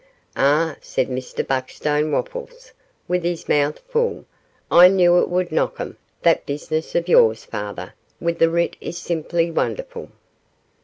'Ah!' said Mr Buckstone Wopples, with his mouth full, 'I knew it would knock 'em; that business of yours, father, with the writ is simply wonderful.